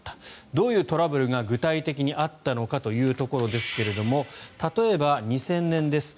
どういうトラブルが具体的にあったのかというところですが例えば、２０００年です。